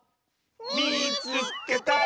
「みいつけた！」。